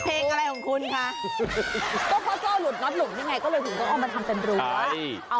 เพลงอะไรของคุณคะ